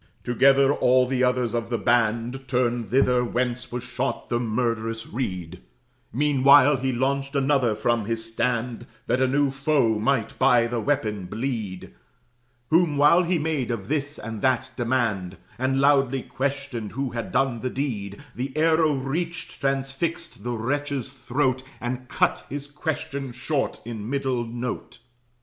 Together, all the others of the band Turned thither, whence was shot the murderous reed; Meanwhile he launched another from his stand, That a new foe might by the weapon bleed, Whom (while he made of this and that demand, And loudly questioned who had done the deed) The arrow reached transfixed the wretch's throat And cut his question short in middle note.